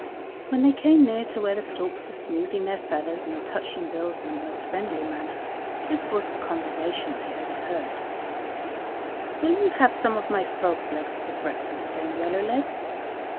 When they came near to where the storks were smoothing their feathers and touching bills in the most friendly manner, this was the conversation they overheard, "Will you have some of my frog's legs for breakfast, Dame Yellowlegs?"